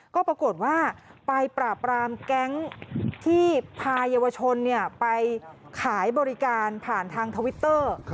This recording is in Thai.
ก็ปรากฏว่าไปปราบรามแก๊งที่พายาวชนไปขายบริการผ่านทางทวิตเตอร์